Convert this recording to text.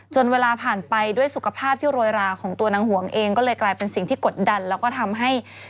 เวลาผ่านไปด้วยสุขภาพที่โรยราของตัวนางหวงเองก็เลยกลายเป็นสิ่งที่กดดันแล้วก็ทำให้